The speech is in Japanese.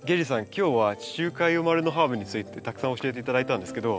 今日は地中海生まれのハーブについてたくさん教えて頂いたんですけど